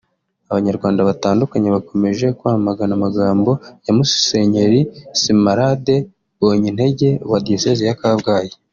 Abanyarwanda batandukante bakomeje kwamagana amagambo ya Musenyeri Smaragde Mbonyintege wa Diyoseze ya Kabgayi